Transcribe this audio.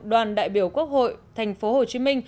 đoàn đại biểu quốc hội tp hcm